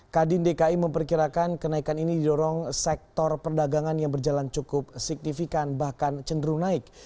kadin dki memperkirakan kenaikan ini didorong sektor perdagangan yang berjalan cukup signifikan bahkan cenderung naik